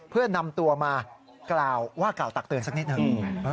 เพื่อนำตัวมากล่าวว่ากล่าวตักเตือนสักนิดหนึ่ง